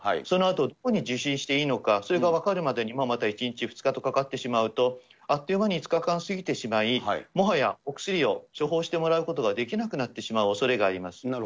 そのあと、どこに受診していいのか、それが分かるまでにまた１日、２日とかかってしまうと、あっという間に５日間過ぎてしまい、もはやお薬を処方してもらうことができなくなってしまうおそれがあります。